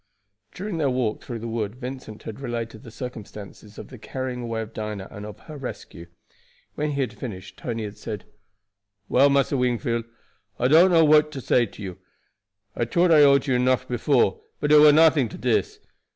During their walk through the wood Vincent had related the circumstances of the carrying away of Dinah and of her rescue. When he had finished Tony had said: "Well, Massa Wingfield, I don't know what to say to you. I tought I owed you enuff before, but it war nothing to dis.